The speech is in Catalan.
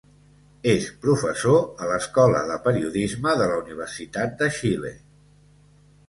És professor a l'Escola de Periodisme de la Universitat de Xile.